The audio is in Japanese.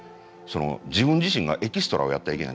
自分自身がエキストラをやってはいけない。